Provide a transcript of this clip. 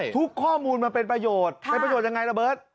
ข้อมูลมันเป็นประโยชน์เป็นประโยชน์ยังไงระเบิร์ต